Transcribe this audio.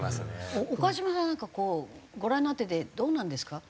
岡島さんなんかこうご覧になっててどうなんですか？